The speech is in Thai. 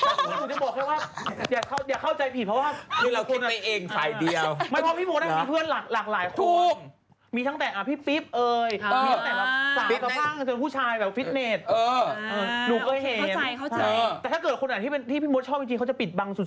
แต่ถ้าเกิดคนอ่ะที่พี่บ๊วยชอบที่จริงเขาจะปิดบังสุด